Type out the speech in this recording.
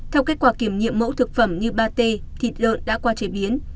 theo kết quả kiểm nhiệm mẫu thực phẩm như pate thịt lợn đã qua chế biến